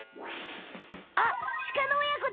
あっシカの親子だ！